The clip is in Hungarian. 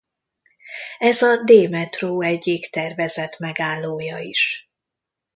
Ez a D metró egyik tervezett megállója is.